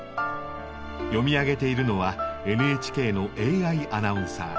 読み上げているのはＮＨＫのＡＩアナウンサー。